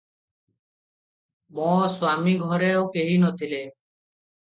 ମୋ ସ୍ୱାମୀଘରେ ଆଉ କେହି ନଥିଲେ ।